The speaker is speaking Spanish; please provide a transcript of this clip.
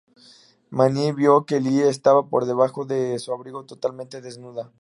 Minnie vio que Lilly estaba por debajo de su abrigo totalmente desnuda.